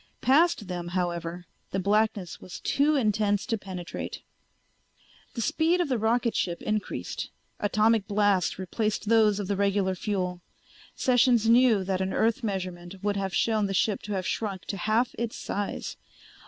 Past them, however, the blackness was too intense to penetrate. The speed of the rocket ship increased. Atomic blasts replaced those of the regular fuel. Sessions knew that an Earth measurement would have shown the ship to have shrunk to half its size.